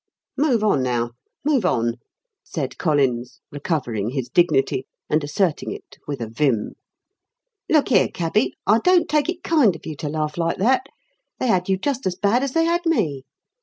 "Move on, now, move on!" said Collins, recovering his dignity, and asserting it with a vim. "Look here, cabby, I don't take it kind of you to laugh like that; they had you just as bad as they had me.